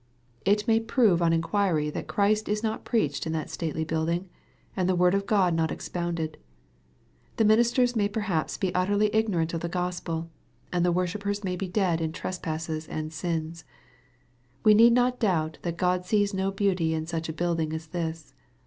It may prove on inquiry that Christ is not preached in that stately building, and the Word of God not expounded. The ministers may perhaps be utterly ignorant of the Gospel, and the worshippers may be dead in trespasses and sins. We need not doubt that God sees no beauty in such a building as this.